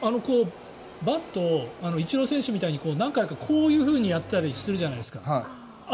バットをイチロー選手みたいに何回かこういうふうにやったりするじゃないですか。